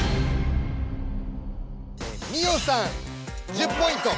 美音さん１０ポイント。